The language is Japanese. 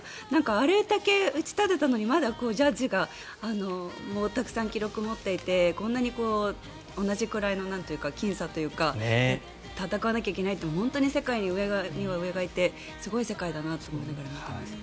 あれだけ打ち立てたのにまだジャッジがもうたくさん記録を持っていてこんなに同じくらいのきん差というか戦わなきゃいけないという世界には上には上にがいてすごい世界だなと思いながら見てました。